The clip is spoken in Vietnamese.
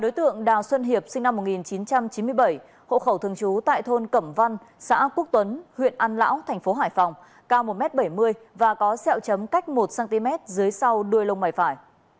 đối tượng đào xuân hiệp sinh năm một nghìn chín trăm chín mươi bảy hộ khẩu thương chú tại thôn câu hạ b xã quốc tuấn huyện an lão thành phố hải phòng cao một m bảy mươi và có xeo chấm cách một cm dưới sau đuôi lông mảy phải